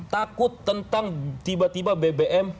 takut tentang tiba tiba bbm